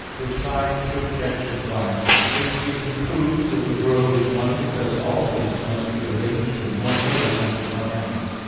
Reply Obj. 1: This reason proves that the world is one because all things must be arranged in one order, and to one end.